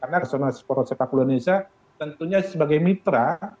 karena personasi pro sepakul indonesia tentunya sebagai mitra